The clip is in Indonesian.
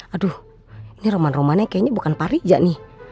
aduh ini roman roman nya kayaknya bukan pak rizal nih